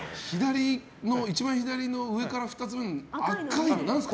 一番左の上から２つ目の赤いの、何ですか？